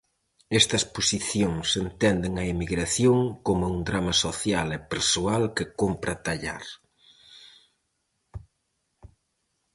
Estas posicións entenden a emigración coma un drama social e persoal que cómpre atallar.